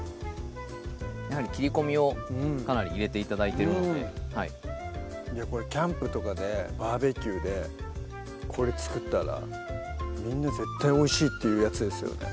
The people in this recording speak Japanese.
やはり切り込みをかなり入れて頂いてるのでこれキャンプとかでバーベキューでこれ作ったらみんな絶対「おいしい」って言うやつですよね